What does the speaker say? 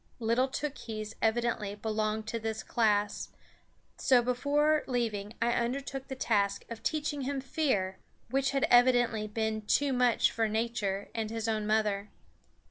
Little Tookhees evidently belonged to this class, so before leaving I undertook the task of teaching him fear, which had evidently been too much for Nature and his own mother.